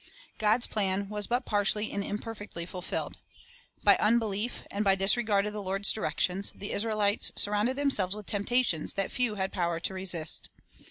God's plan was but partially and imperfectly fulfilled. By unbelief and by disregard of the Lord's directions, the Israelites surrounded themselves with temptations that kw had power to resist.